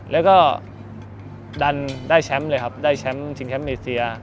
แล้วก็ดันได้แชมป์เลยครับได้แชมป์ชิงแชมป์เอเซีย